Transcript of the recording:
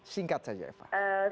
singkat saja eva